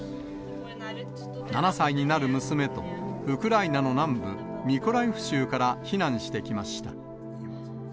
７歳になる娘と、ウクライナの南部ミコライフ州から避難してきました。